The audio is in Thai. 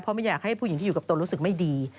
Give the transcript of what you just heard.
เพราะไม่อยากให้ผู้หญิงที่อยู่กับตนรู้สึกไม่ดี